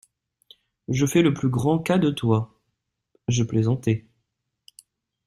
Je fais le plus grand cas De toi… je plaisantais.